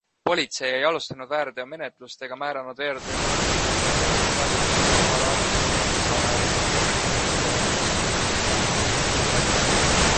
Politsei ei alustanud väärteomenetlust ega määranud väärteokaristust mehele, kes Tallinnas homoparaadil solvas Isamaa ja Res Publica Liitu kuuluvat keskkonnaministrit Siim Kiislerit.